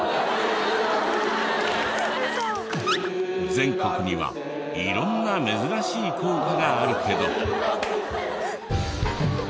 全国には色んな珍しい校歌があるけど。